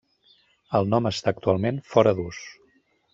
El nom està actualment fora d'ús.